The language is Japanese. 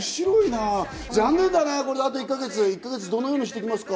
残念だね、あと１か月、どのようにしていきますか？